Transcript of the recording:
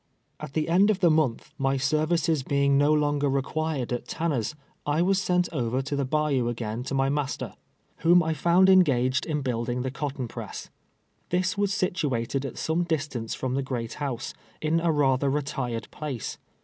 At the end of a montli, my services l)eing no lon ger required at Tanner's I was sent over tlie bayou again to my master, wliom I found engaged in build ing tlie cotton press. Tliis was situated at some dis tance from the great house, in a rather retired place.